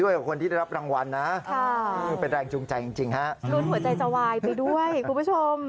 จริงค่ะลุ้นหัวใจจะวายไปด้วยคุณผู้ชม